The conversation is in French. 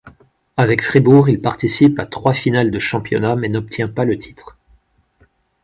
Avec Fribourg, il participe à trois finales de championnat mais n’obtient pas le titre.